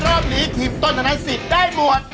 รอบหนีทีมต้นทางนั้นสิทธิ์ได้หมวด